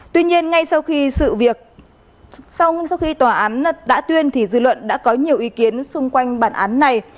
tuy nhiên ngay sau khi tòa án đã tuyên thì dư luận đã có nhiều ý kiến xung quanh bản án này